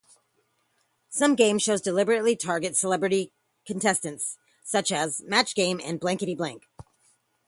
Some game shows deliberately target celebrity contestants, such as "Match Game" and "Blankety Blank".